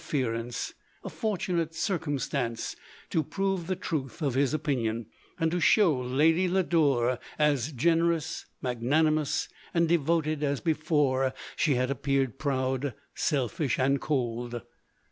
239 ference, a fortunate circumstance, to prove the truth of his opinion, and to show Lady Lodore as generous, magnanimous, and devoted, as be fore she had appeared proud, selfish, and cold.